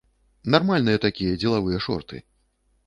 Нармальныя такія дзелавыя шорты!